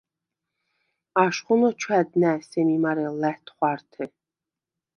აშხუნ ოჩვა̈დდ ნა̈ სემი მარე ლა̈თხვართე.